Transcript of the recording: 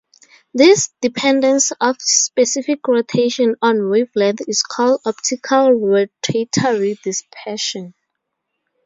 This dependence of specific rotation on wavelength is called optical rotatory dispersion.